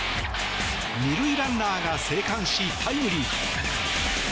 ２塁ランナーが生還しタイムリー。